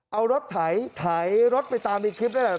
เอารถไถไถรรถไปตามอีกคลิปได้แหละ